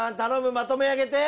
まとめ上げて！